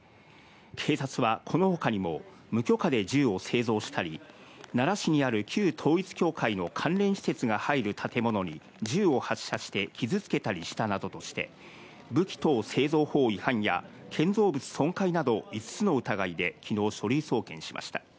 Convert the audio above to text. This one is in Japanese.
警察はこのほかにも、無許可で銃を製造したり、奈良市にある旧統一教会の関連施設が入る建物に銃を発射して傷つけたりしたなどとして、武器等製造法違反や建造物損壊など５つの疑いで昨日、書類送検しました。